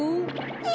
え！